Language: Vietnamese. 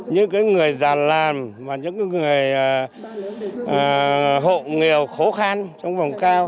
những người già làm và những người hộ nghèo khổ khăn trong vòng cao